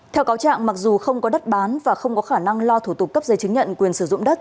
theo cáo trạng mặc dù không có đất bán và không có khả năng lo thủ tục cấp giấy chứng nhận quyền sử dụng đất